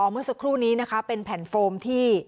เมื่อสักครู่นี้นะคะเป็นแผ่นโฟมที่